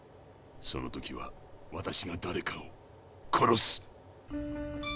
その時は私がだれかを殺す。